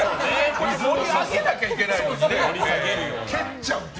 盛り上げなきゃいけないのにね。